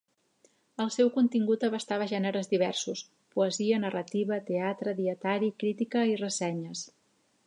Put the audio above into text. El seu contingut abastava gèneres diversos: poesia, narrativa, teatre, dietari, crítica i ressenyes.